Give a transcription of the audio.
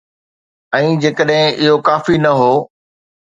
۽ جيڪڏهن اهو ڪافي نه هو.